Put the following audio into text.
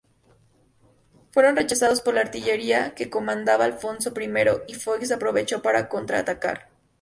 Fueron rechazados por la artillería que comandaba Alfonso I y Foix aprovechó para contraatacar.